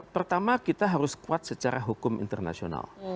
pertama kita harus kuat secara hukum internasional